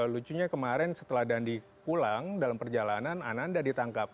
lucunya kemarin setelah dandi pulang dalam perjalanan ananda ditangkap